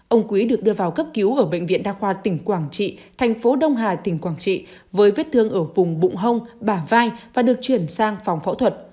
ông quý được đưa vào cấp cứu ở bệnh viện đa khoa tỉnh quảng trị thành phố đông hà tỉnh quảng trị với vết thương ở vùng bụng hông bà vai và được chuyển sang phòng phẫu thuật